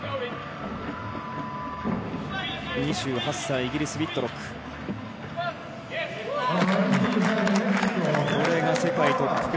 ２３歳、イギリスウィットロック。